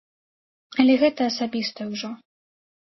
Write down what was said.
Але гэта асабістае ўжо.